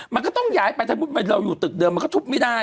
มันก็ต้องย้ายไปถ้าเราอยู่ตึกเดิมมันก็ทุบไม่ได้